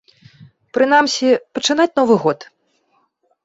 Прынамсі, пачынаць новы год.